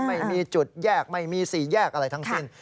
ไม่มีจุดแยกไม่มีสี่แยกอะไรทั้งสิ้น